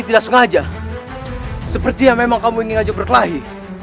tidak sengaja seperti yang memang kamu ingin ajak berkelahi